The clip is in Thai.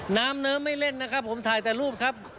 น้ำเนิมไม่เล่นนะครับผมถ่ายแต่รูปครับ